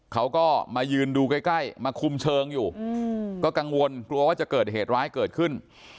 เขาก็มายืนดูใกล้มาคุมเชิงอยู่ก็กังวลกลัวว่าจะเกิดเหตุร้ายเกิดขึ้น